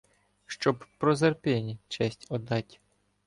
Щоб Прозерпині честь оддать.